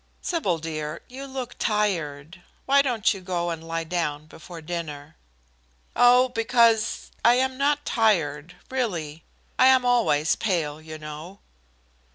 Sybil, dear, you look tired. Why don't you go and lie down before dinner?" "Oh, because I am not tired, really. I am always pale, you know."